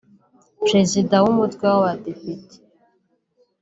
Perezida w’Umutwe w’Abadepite